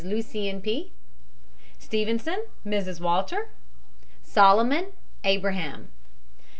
LUCIEN P. STEPHENSON, MRS. WALTER. SOLOMON, ABRAHAM.